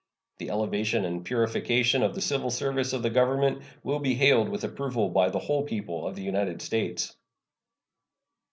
The elevation and purification of the civil service of the Government will be hailed with approval by the whole people of the United States.